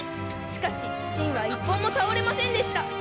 しかし芯は１本も倒れませんでした。